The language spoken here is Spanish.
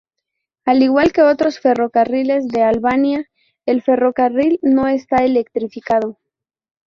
Al igual que otros ferrocarriles de Albania, el ferrocarril no está electrificado.